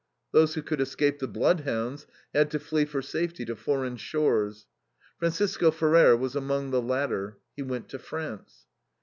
Those who could escape the bloodhounds had to flee for safety to foreign shores. Francisco Ferrer was among the latter. He went to France.